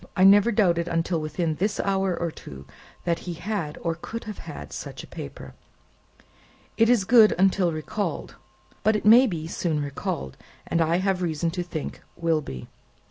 I never doubted until within this hour or two, that he had, or could have such a paper. It is good, until recalled. But it may be soon recalled, and, I have reason to think, will be."